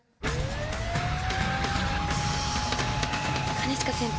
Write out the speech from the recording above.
兼近先輩。